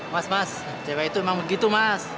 mas mas cewek itu emang begitu mas